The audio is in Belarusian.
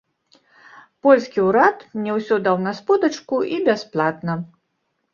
Польскі ўрад мне ўсё даў на сподачку і бясплатна.